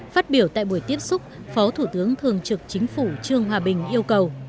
phát biểu tại buổi tiếp xúc phó thủ tướng thường trực chính phủ trương hòa bình yêu cầu